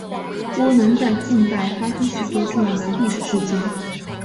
湖南在近代发生许多重要的历史事件。